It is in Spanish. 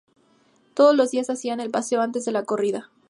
Todos los días hacían el paseo antes de la corrida.